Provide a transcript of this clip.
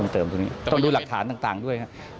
ต้องดูหลักฐานต่างด้วยครับ